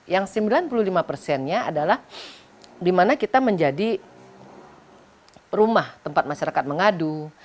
yang sembilan puluh lima persennya adalah dimana kita menjadi rumah tempat masyarakat mengadu